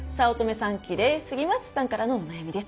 さんからのお悩みです。